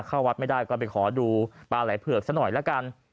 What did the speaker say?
เข้าวัดไม่ได้ก็ไปขอดูปลาไหล่เผือกซะหน่อยละกัน